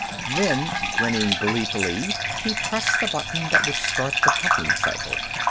Then, grinning gleefully, he pressed the button that would start the pumping cycle.